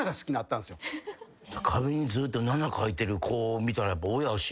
壁にずっと７書いてる子見たら。